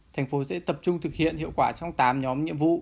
thành phố sẽ tập trung thực hiện hiệu quả trong tám nhóm nhiệm vụ